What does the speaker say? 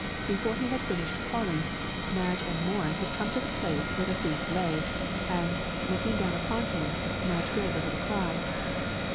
Before he had finished calling, Madge and Morin had come to the place where the thief lay, and, looking down upon him, Madge gave a little cry.